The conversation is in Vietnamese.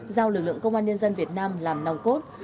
giao lực lượng công an nhân dân việt nam làm nòng cốt